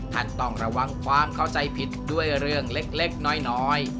ต้องระวังความเข้าใจผิดด้วยเรื่องเล็กน้อย